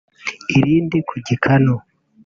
irindi ku gikanu